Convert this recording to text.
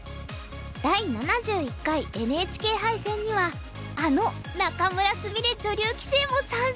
第７１回ＮＨＫ杯戦にはあの仲邑菫女流棋聖も参戦！